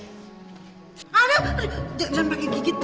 aduh jangan pakai gigi gitu